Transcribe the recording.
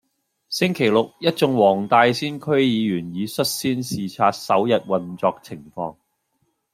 星期六一眾黃大仙區議員已率先視察首日運作情況